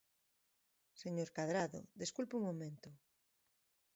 Señor Cadrado, desculpe un momento.